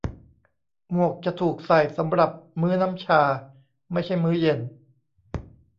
หมวกจะถูกใส่สำหรับมื้อน้ำชา ไม่ใช่มื้อเย็น